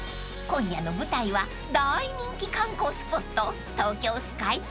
［今夜の舞台は大人気観光スポット］